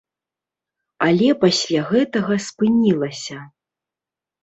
Але пасля гэтага спынілася.